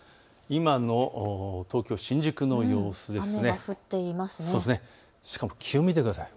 今の東京新宿の様子です。